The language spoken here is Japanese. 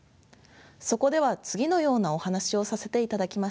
そこでは次のようなお話をさせていただきました。